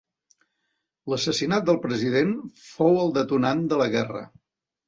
L'assassinat del president fou el detonant de la guerra.